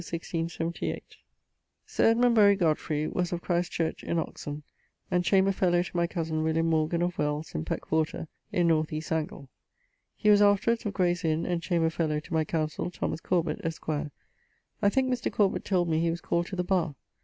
Sir Edmund Bury Godfrey was of Christ's Church in Oxon, and chamber fellowe to my cosen W Morgan of Wells, in Peckwater, in north east angle. He was afterwards of Grayes Inne, and chamber fellow to my counsell, Thomas Corbet, esq. I thinke Mr. Corbet told me he was called to the barre.